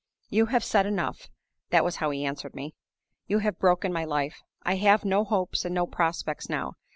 'You have said enough' (that was how he answered me). 'You have broken my life. I have no hopes and no prospects now.